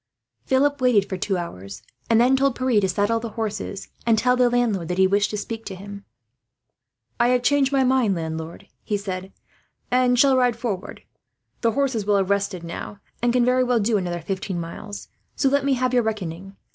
Philip waited for two hours, and then told Pierre to saddle the horses, and tell the landlord that he wished to speak to him. "I have changed my mind, landlord," he said, "and shall ride forward. The horses will have rested now, and can very well do another fifteen miles; so let me have your reckoning.